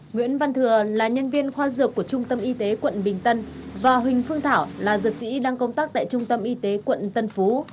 nguyễn văn thừa là nhân viên khoa dược của trung tâm y tế quận bình tân và huỳnh phương thảo là dược sĩ đang công tác tại trung tâm y tế quận tân phú